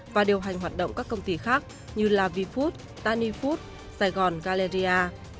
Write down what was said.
và điều hành hoạt động các công ty khác như lavi food tani food sài gòn galleria